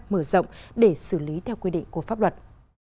mở rộng để xử lý theo quy định của pháp luật